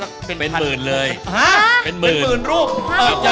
เห็นไหมค่ะ